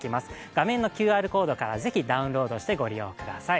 画面のＱＲコードから是非ダウンロードしてご利用ください。